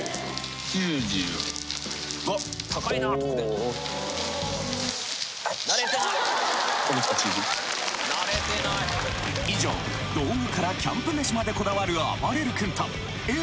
・高いな得点・以上道具からキャンプ飯までこだわるあばれる君とＡぇ！